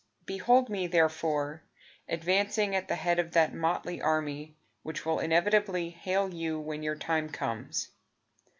Behold me, therefore, advancing At the head of that motley army Which will inevitably hail you When your time comes.